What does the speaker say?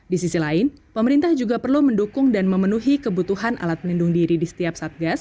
di sisi lain pemerintah juga perlu mendukung dan memenuhi kebutuhan alat pelindung diri di setiap satgas